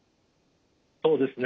そうですね。